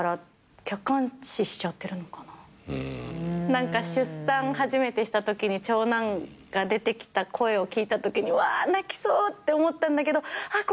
何か出産初めてしたときに長男が出てきた声を聞いたときにうわ泣きそうって思ったけどあっ